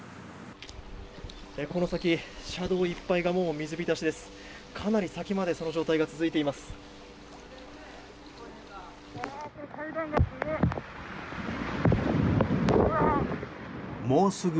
この先、車道いっぱいが水浸しです。